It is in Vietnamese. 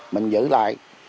mình giữ lại